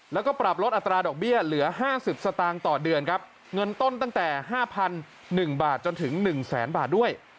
แล้วก็ปรับลดอัตราดอกเบี้ยเหลือ๕๐สตางค์ต่อเดือนครับเงินต้นตั้งแต่๕๑บาทจนถึง๑แสนบาทด้วย